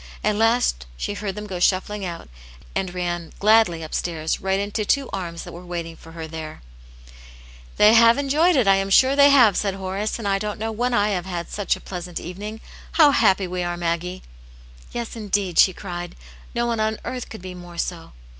At last she heard them go shuffling out; and ran gladly upstairs right into two arms thafr were vraiting for her there. 136 Atint Janets Hero. " They have enjoyed it, I am sure they have/' said Horace, " and I don't know when I have had such a pleasant evening. How happy we are, Maggie !" "Yes, indeed," she cried. "No one on earth could be more so.